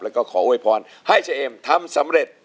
แล้วก็ขอโวยพรให้เช็มทำสำเร็จ